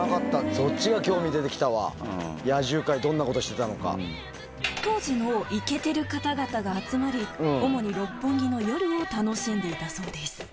そっちが興味出てきたわ、野獣会、当時のイケてる方々が集まり、主に六本木の夜を楽しんでいたそうです。